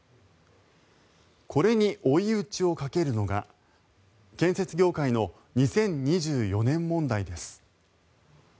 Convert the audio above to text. これに追い打ちをかけるのが建設業界の２０２４年問題です。